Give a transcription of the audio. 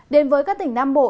đến với các tỉnh nam bộ